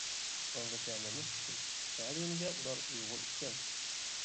ئاڭغىچە مەنمۇ چۈشتۈم، تەلىيىمگە ئۇلار ئۇيغۇر ئىكەن.